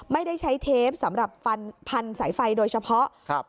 ไม่ได้ใช้เทปสำหรับฟันพันสายไฟโดยเฉพาะครับ